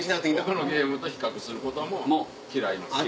他のゲームと比較することも嫌いますし。